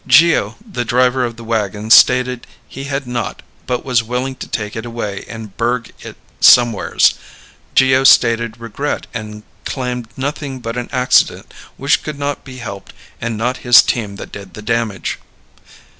Geo. the driver of the wagom stated he had not but was willing to take it away and burg it somewheres Geo. stated regret and claimed nothing but an accident which could not be helped and not his team that did the damage.